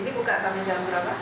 ini buka sampai jam berapa